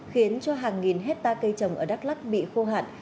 khiến cho hàng nghìn hectare cây trồng ở đắk lắc bị khô hạn